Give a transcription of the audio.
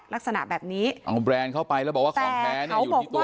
ลักษณะแบบนี้เอาแบรนด์เข้าไปแล้วบอกว่าของแท้เนี่ยอยู่ที่ตัว